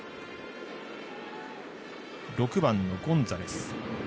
６番のゴンザレス。